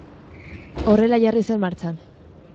Horrela jarri zen martxan.